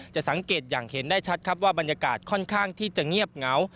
สังเกตอย่างเห็นได้ชัดครับว่าบรรยากาศค่อนข้างที่จะเงียบเหงา